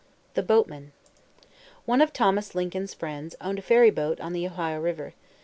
THE BOATMAN. One of Thomas Lincoln's friends owned a ferry boat on the Ohio River.